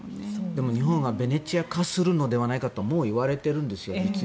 でも日本はベネチア化するのではないかとももう言われているんですよ。